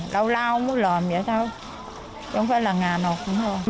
đâu lao cũng mới làm vậy thôi chứ không phải là ngà nột cũng thôi